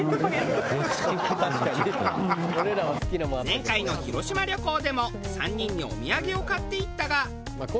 前回の広島旅行でも３人にお土産を買っていったが。